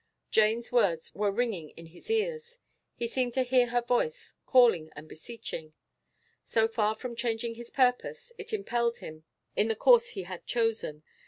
Jane's words were ringing in his ears: he seemed to hear her very voice calling and beseeching. So far from changing his purpose, it impelled him in the course he had chosen.